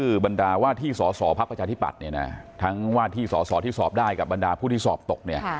ซึ่งบรรดาว่าที่สอภาพประชาธิปัตธ์ทั้งว่าที่สอสอบได้กับตก